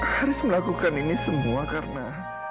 harus melakukan ini semua karena